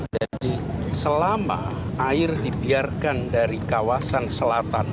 jadi selama air dibiarkan dari kawasan selatan